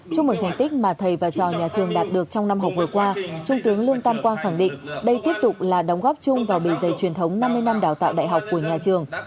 chúc mừng thành tích mà thầy và trò nhà trường đạt được trong năm học vừa qua trung tướng lương tam quang khẳng định đây tiếp tục là đóng góp chung vào bề dày truyền thống năm mươi năm đào tạo đại học của nhà trường